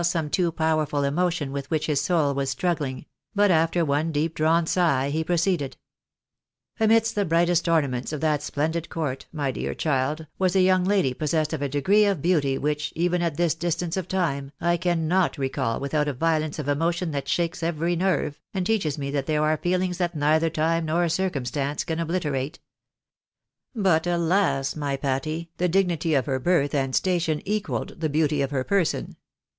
e too powerful emotion with which his soul was struggling ; but after one deep drawn sigh, he proceeded —" Amidst the brightest ornaments of that splendid court, my dear child, was a young lady possessed of a degree of beauty, which, even at this distance of time, I cannot recall without a violence of emotion that shakes every nerve, and teaches me that there are feelings that neither time nor circumstance can obliterate. But, alas ! my Patty, the dignity of her birth and station equalled the beauty of her person.